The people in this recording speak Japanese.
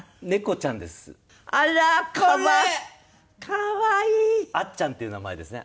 可愛い！あっちゃんっていう名前ですね。